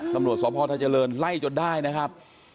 กรรมนุทรศพทัชเลินไล่จนได้นะครับ